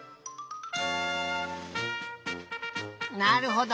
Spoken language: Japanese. なるほど。